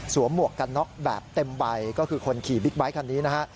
หมวกกันน็อกแบบเต็มใบก็คือคนขี่บิ๊กไบท์คันนี้นะฮะ